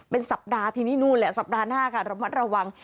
เป็นสัปดาห์ทีนี้นู่นแหละสัปดาห์หน้าค่ะระมัดระวัง